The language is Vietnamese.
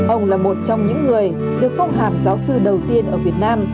ông là một trong những người được phong hàm giáo sư đầu tiên ở việt nam